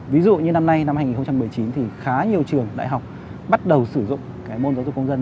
ví dụ như năm nay năm hai nghìn một mươi chín thì khá nhiều trường đại học bắt đầu sử dụng cái môn giáo dục công dân